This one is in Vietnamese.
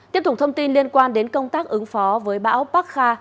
tiếp tục thông tin liên quan đến công tác ứng phó với bão park kha